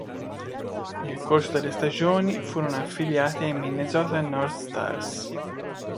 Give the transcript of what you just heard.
Nel corso delle stagioni furono affiliati ai Minnesota North Stars.